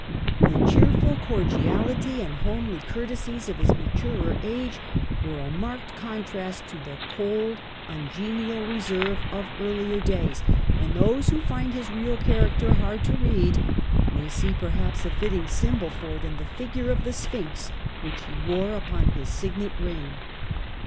The cheerful cordiality and homely courtesies of his maturer age were a marked contrast to the cold, ungenial reserve of earlier days ; and those who find his real character hard to read may see perhaps a fitting symbol of it in the figure of the Sphinx which he wore upon his signet ring.